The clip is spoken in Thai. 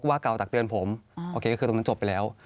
เก่าตักเตือนผมโอเคก็คือตรงนั้นจบไปแล้ว